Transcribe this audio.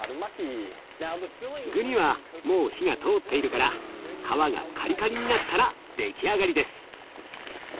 具にはもう火が通っているから皮がカリカリになったら出来上がりです。